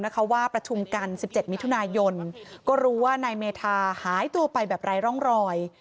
ว่าประชุมกัน๑๗มิถุนายนก็รู้ว่านายเมธาหายตัวไปแบบไร้ร่องรอย